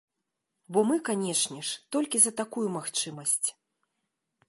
Бо мы, канечне ж, толькі за такую магчымасць.